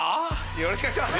よろしくお願いします。